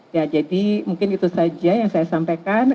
ya jadi mungkin itu saja yang saya sampaikan